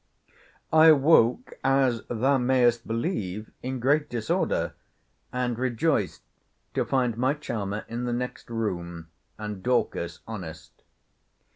I awoke, as thou mayest believe, in great disorder, and rejoiced to find my charmer in the next room, and Dorcas honest.